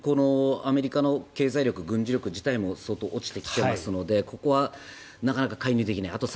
アメリカの経済力、軍事力自体も相当落ちてきてますのでここはなかなか介入できない。